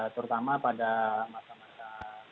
terutama pada masa masa